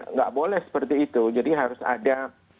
nggak boleh seperti itu jadi harus ada